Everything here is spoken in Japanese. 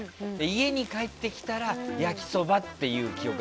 家に帰ってきたら焼きそばっていう記憶。